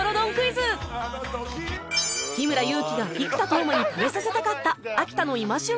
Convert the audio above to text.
日村勇紀が生田斗真に食べさせたかった秋田の今旬